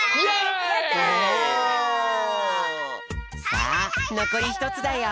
さあのこりひとつだよ。